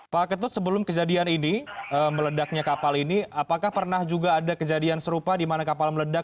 pak ketut sebelum kejadian ini meledaknya kapal ini apakah pernah juga ada kejadian serupa di mana kapal meledak